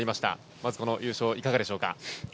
まずこの優勝いかがでしょうか。